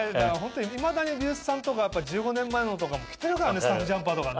いまだに美術さんとか１５年前のとかも着てるからねスタッフジャンパーとかね。